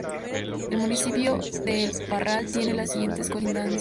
El municipio de El Parral tiene las siguientes colindancias.